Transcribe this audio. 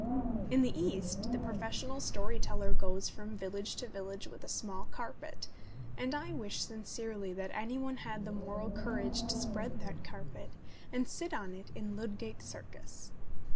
In the East the professional story teller goes from village to village with a small carpet ; and I wish sincerely that any one had the moral courage to spread that carpet and sit on it in Ludgate Circus.